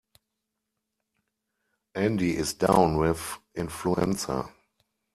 Andy is down with influenza.